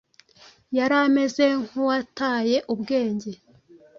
yari ameze nkuwataye ubwenge